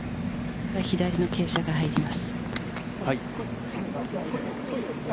左の傾斜が入ります。